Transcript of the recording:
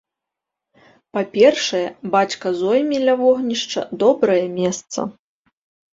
Па-першае, бацька зойме ля вогнішча добрае месца.